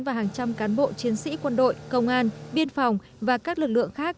và hàng trăm cán bộ chiến sĩ quân đội công an biên phòng và các lực lượng khác